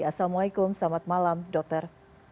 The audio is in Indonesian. assalamualaikum selamat malam dokter